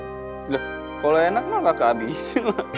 udah kalau enak mah kak ke abisin